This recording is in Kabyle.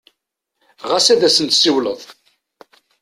Ɣas ad sen-tsiwleḍ?